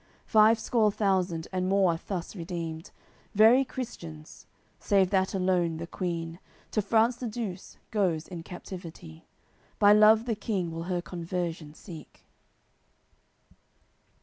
Five score thousand and more are thus redeemed, Very Christians; save that alone the queen To France the Douce goes in captivity; By love the King will her conversion seek.